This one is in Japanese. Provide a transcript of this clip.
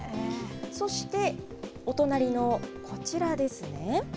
そして、お隣のこちらですね。